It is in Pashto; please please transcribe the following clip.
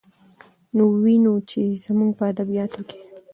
نو وينو، چې زموږ په ادبياتو کې